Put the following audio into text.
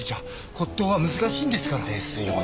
骨董は難しいんですから。ですよねぇ。